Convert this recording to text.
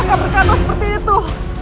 jangan berkata seperti itu